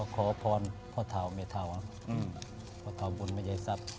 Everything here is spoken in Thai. ขอพรพ่อเท้าเมย์เท้าพ่อเท้าบุญมัยยัยทรัพย์